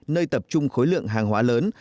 nơi tập trung khối lượng hàng hóa lớn